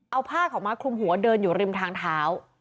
เอาผ้าขาวม้าคลุมหัวเดินอยู่ริมทางเท้า